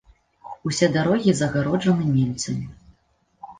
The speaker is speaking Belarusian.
Усе дарогі загароджаны немцамі.